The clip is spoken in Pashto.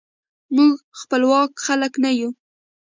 موږ خپواک خلک نه یو.